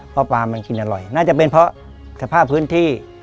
เพราะปลามันกินอร่อยน่าจะเป็นเพราะสภาพพื้นที่